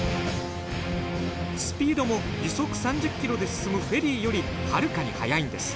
スピードも時速３０ｋｍで進むフェリーよりはるかに速いんです。